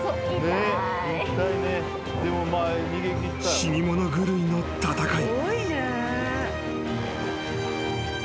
［死に物狂いの戦い］